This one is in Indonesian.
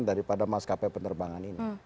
daripada maskapai penerbangan ini